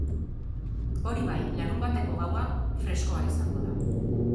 Hori bai, larunbateko gaua freskoa izango da.